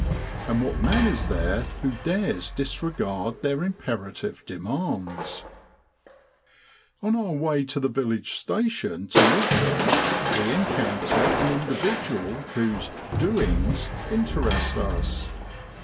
And what man is there who dares disregard their imperative demands ? On our way to the village station to meet them we encounter an individual whose ' doings ' interest us.